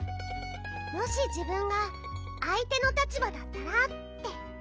もしじぶんがあい手の立ばだったらって。